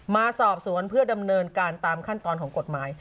มาสอบสวนเพื่อดำเนินการตามขั้นตอนของกฎหมาย